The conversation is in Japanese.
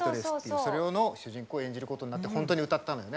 それの主人公を演じることになって本当に歌ったんだよね。